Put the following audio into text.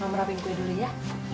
mama rapin kue dulu ya